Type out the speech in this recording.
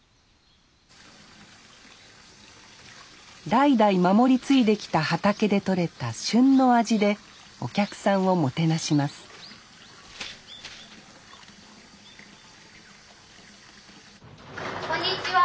代々守り継いできた畑で取れた旬の味でお客さんをもてなしますこんにちは！